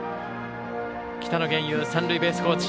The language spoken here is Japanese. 北野元優、三塁ベースコーチ。